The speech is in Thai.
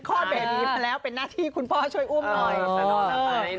เบบีมาแล้วเป็นหน้าที่คุณพ่อช่วยอุ้มหน่อย